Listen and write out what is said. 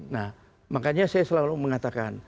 nah makanya saya selalu mengatakan